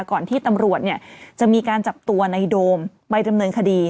ก่อนที่ตำรวจจะมีการจับตัวในโดมไปดำเนินคดี